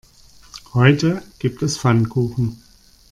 Heute gibt es Pfannkuchen.